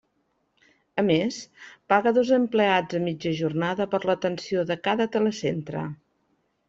A més, paga dos empleats a mitja jornada per l'atenció de cada telecentre.